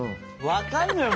分かるのよ